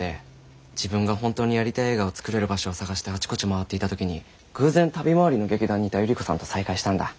自分が本当にやりたい映画を作れる場所を探してあちこち回っていた時に偶然旅回りの劇団にいた百合子さんと再会したんだ。